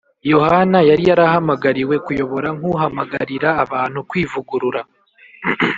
Yohana yari yarahamagariwe kuyobora nk’uhamagarira abantu kwivugurura